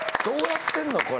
どうやってんの？